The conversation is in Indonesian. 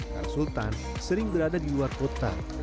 karena sultan sering berada di luar kota